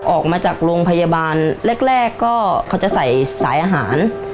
ออกมาจากโรงพยาบาลแรกก็เขาจะใส่สายอาหาร